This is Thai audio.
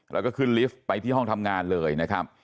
แล้วก็ขึ้นลิฟต์ไปที่ห้องทำงานเลยนะครับ